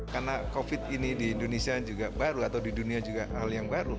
karena covid ini di indonesia juga baru atau di dunia juga hal yang baru